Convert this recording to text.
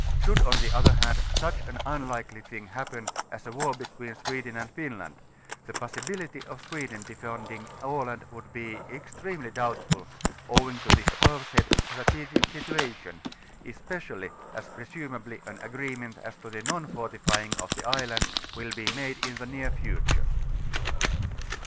Should on the other hand such an unlikely thing hajipen as a war between Sweden and Finland, the jjossibility of Swe den defending Aland would be extremely doubtful, owing to the above said strategic situation, especially as presum 18 ably an agreement as to the non fortifying of llic islands will be made in the near future.